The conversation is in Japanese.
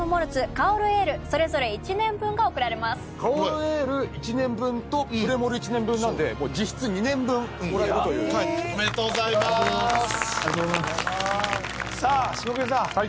香るエール１年分とプレモル１年分なんで実質２年分もらえるというおめでとうございますありがとうございますさあ下國さん